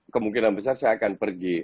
kemungkinan besar saya akan pergi